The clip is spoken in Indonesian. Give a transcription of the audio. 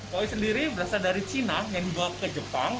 koi sendiri berasal dari cina yang dibawa ke jepang